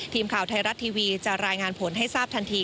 ทีมข่าวไทยรัฐทีวีจะรายงานผลให้ทราบทันที